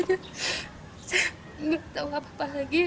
tidak tahu apa apa lagi